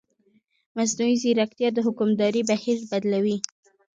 مصنوعي ځیرکتیا د حکومتدارۍ بهیر بدلوي.